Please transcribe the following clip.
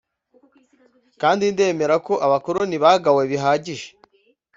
kandi ndemera ko Abakoloni bagawe bihagije